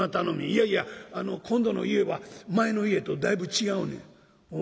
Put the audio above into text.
「いやいや今度の家は前の家とだいぶ違うねん」。